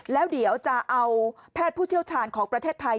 แล้วเดี๋ยวจะเอาแพทย์ผู้เชี่ยวชาญของประเทศไทย